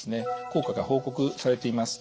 効果が報告されています。